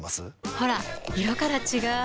ほら色から違う！